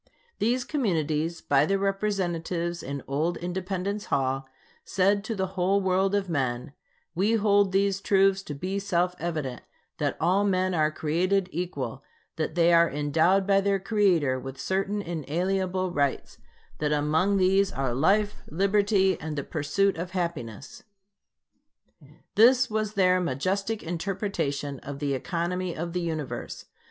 These communities, by their representatives in old Independence Hall, said to the whole world of men: "We hold these truths to be self evident: that all men are created equal; that they are endowed by their Creator with certain inalienable rights; that among these are life, liberty, and the pursuit of happiness." This was their majestic interpretation of the economy of the Universe.